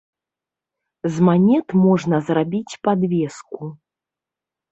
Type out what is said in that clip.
З манет можна зрабіць падвеску.